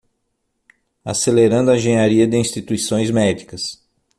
Acelerando a engenharia de instituições médicas